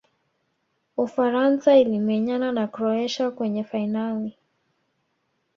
ufaransa ilimenyana na croatia kwenye fainali